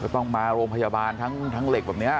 ต้องมาโรงพยาบาลทั้งเหล็กแบบนี้